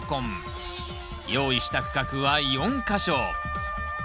用意した区画は４か所。